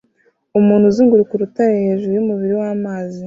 Umuntu uzunguruka urutare hejuru yumubiri wamazi